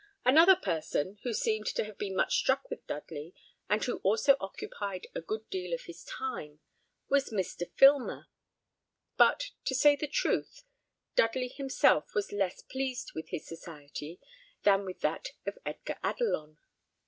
Another person, who seemed to have been much struck with Dudley, and who also occupied a good deal of his time, was Mr. Filmer; but to say the truth, Dudley himself was less pleased with his society than with that of Edgar Adelon.